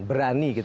dan berani gitu